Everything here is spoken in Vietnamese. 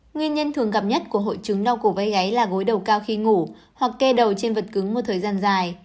nguyên nhân thường gặp nhất của hội chứng đau cổ gây gáy là gối đầu cao khi ngủ hoặc kê đầu trên vật cứng một thời gian dài